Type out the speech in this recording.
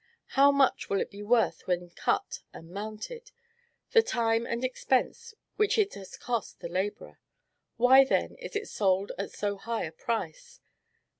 How much will it be worth when cut and mounted? The time and expense which it has cost the laborer. Why, then, is it sold at so high a price?